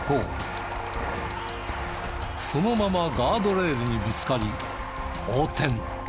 そのままガードレールにぶつかり横転。